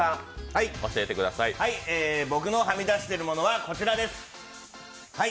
僕のはみ出している物はこちらです。